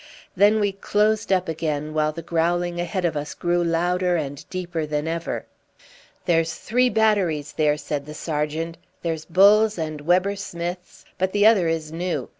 Then we closed up again, while the growling ahead of us grew louder and deeper than ever. "There's three batteries there," said the sergeant. "There's Bull's and Webber Smith's, but the other is new.